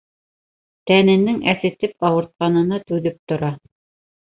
Тәненең әсетеп ауыртҡанына түҙеп тора.